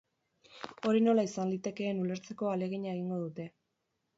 Hori nola izan litekeen ulertzeko ahalegina egingo dute.